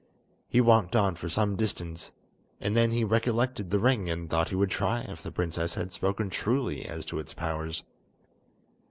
He walked on for some distance, and then he recollected the ring and thought he would try if the princess had spoken truly as to its powers.